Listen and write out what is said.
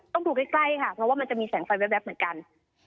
ดูใกล้ค่ะเพราะว่ามันจะมีแสงไฟแว๊บเหมือนกัน